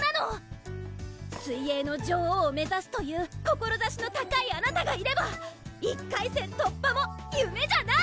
水泳の女王を目指すという志の高いあなたがいれば１回戦突破も夢じゃない！